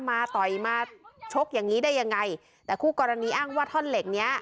ต่อยมาชกอย่างงี้ได้ยังไงแต่คู่กรณีอ้างว่าท่อนเหล็กเนี้ย